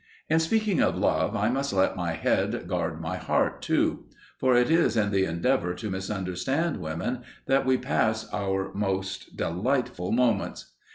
In speaking of love, I must let my head guard my heart, too, for it is in the endeavour to misunderstand women that we pass our most delightful moments.